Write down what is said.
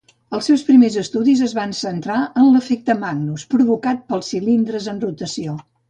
Els seus primers estudis es van centrar en l'efecte Magnus provocat pels cilindres en rotació.